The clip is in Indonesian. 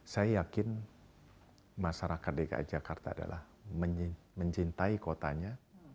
saya yakin masyarakat dki jakarta adalah mencintai kotanya